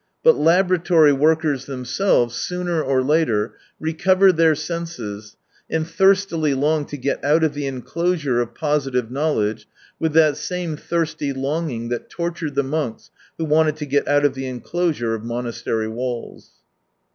But laboratory workers themselves, sooner or later, recover their senses, and thirstily long to get out of the enclosure of positive knowledge, with that same thirsty longing that tortured the monks who wanted to get out of the enclosure of monastery walls.